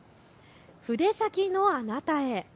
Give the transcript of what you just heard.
筆先のあなたへ。